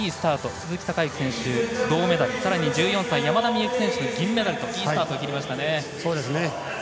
鈴木孝幸選手、銅メダルさらに１４歳、山田美幸選手が銀メダルといいスタートを切りましたね。